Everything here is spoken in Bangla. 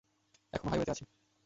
এখনো হাইওয়েতে আছি।